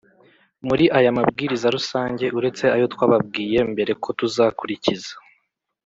Muri aya Mabwiriza Rusange uretse ayo twababwiye mbere ko tuzakurikiza